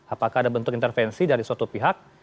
apakah ada bentuk intervensi dari suatu pihak